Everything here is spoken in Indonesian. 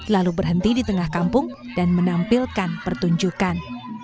lalu berhenti di tengah kampung dan menampilkan pertunjukan